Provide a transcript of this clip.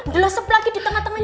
di lesup lagi di tengah tengah ini